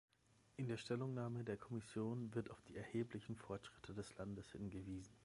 In der Stellungnahme der Kommission wird auf die erheblichen Fortschritte des Landes hingewiesen.